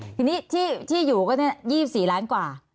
ทีนี้ที่อยู่ก็๒๔ล้านกว่า